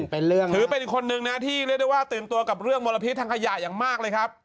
ถือเป็นอีกคนนึงนะที่เรียกได้ว่าตื่นตัวกับเรื่องมลพิษทางขยะอย่างมากเลยครับ